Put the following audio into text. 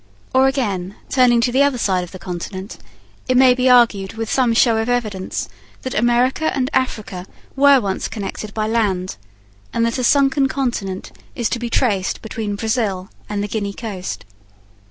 Or again, turning to the other side of the continent, it may be argued with some show of evidence that America and Africa were once connected by land, and that a sunken continent is to be traced between Brazil and the Guinea coast.